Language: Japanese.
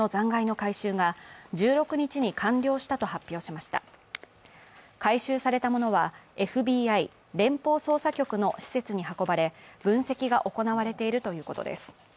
回収されたものはＦＢＩ＝連邦捜査局の施設に運ばれ、分析が行われているということです。